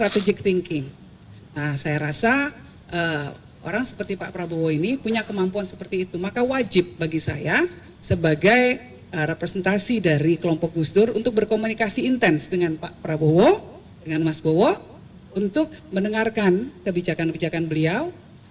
dengan mas bowo untuk mendengarkan kebijakan kebijakan beliau